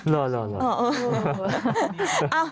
เล่า